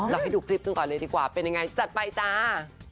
ให้ดูคลิปกันก่อนเลยดีกว่าเป็นยังไงจัดไปจ้า